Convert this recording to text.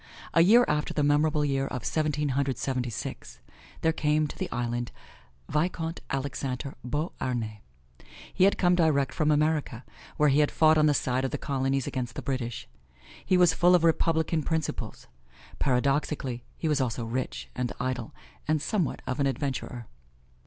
A year after the memorable year of Seventeen Hundred Seventy six, there came to the island, Vicomte Alexander Beauharnais. He had come direct from America, where he had fought on the side of the Colonies against the British. He was full of Republican principles. Paradoxically, he was also rich and idle and somewhat of an adventurer.